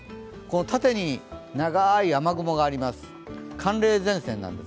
縦に長い雨雲があります。